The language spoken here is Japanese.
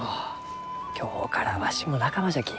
今日からわしも仲間じゃき。